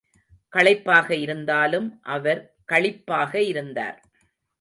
களைப்பாக இருந்தாலும் அவர் களிப்பாக இருந்தார்.